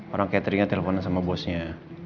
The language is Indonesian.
orang cateringnya telepon sama bosnya